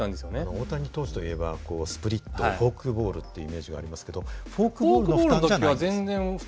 大谷投手といえばスプリットフォークボールっていうイメージがありますけどフォークボールの負担じゃないんですか？